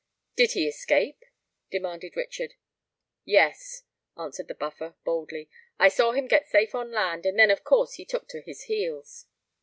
"Did he escape?" demanded Richard. "Yes," answered the Buffer, boldly. "I saw him get safe on land; and then of course he took to his heels."